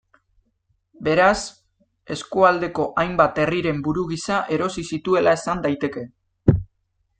Beraz, eskualdeko hainbat herriren buru gisa erosi zituela esan daiteke.